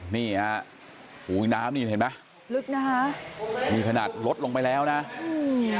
นี่อ่ะหูวิงน้ำนี่เห็นไหมลึกนะฮะมีขนาดลดลงไปแล้วน่ะอืม